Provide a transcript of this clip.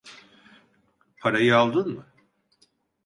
Parayı aldın mı?